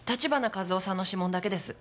橘一夫さんの指紋だけです。